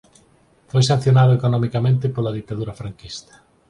Foi sancionado economicamente pola ditadura franquista.